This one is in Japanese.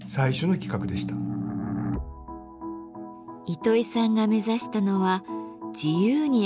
糸井さんが目指したのは自由に遊べる地球儀。